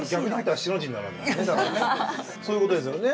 そういうことですよね。